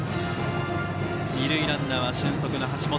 二塁ランナーは俊足の橋本。